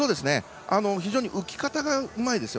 非常に浮き方がうまいです。